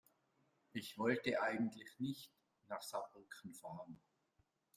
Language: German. Ich wollte eigentlich nicht nach Saarbrücken fahren